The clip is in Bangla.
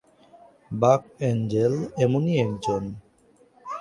বাক এঞ্জেল এমনই একজন।